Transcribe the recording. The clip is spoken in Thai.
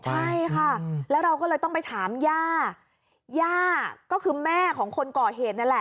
ใช่ค่ะแล้วเราก็เลยต้องไปถามย่าย่าก็คือแม่ของคนก่อเหตุนั่นแหละ